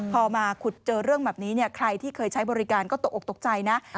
พอมาขุดเจอเรื่องแบบนี้ใครที่เคยใช้บริการก็ตกออกตกใจนะ